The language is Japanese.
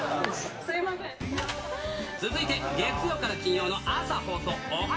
続いて、月曜から金曜の朝放送、Ｏｈａ！